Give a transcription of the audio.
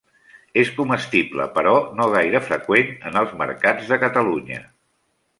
És comestible però no gaire freqüent en els mercats de Catalunya.